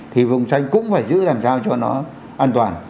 thì vùng tranh cũng phải giữ làm sao cho nó an toàn